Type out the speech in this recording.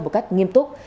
một cách nghiêm túc